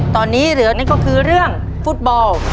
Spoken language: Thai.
ตอนนี้เหลือนั่นก็คือเรื่องฟุตบอล